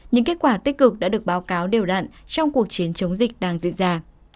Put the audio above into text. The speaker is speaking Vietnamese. những kết quả tích cực đã được báo cáo đều đạn trong cuộc chiến chống dịch đang diễn ra